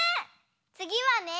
つぎはね。